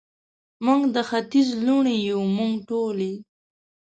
موږ د ختیځ لوڼې یو، موږ ټولې،